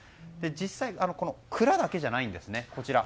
実際、蔵だけじゃないんですね。